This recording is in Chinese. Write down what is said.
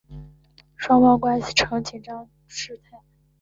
双方关系呈现紧张态势。